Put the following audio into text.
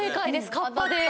カッパです